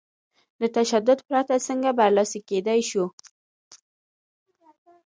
له تشدد پرته څنګه برلاسي کېدای شو؟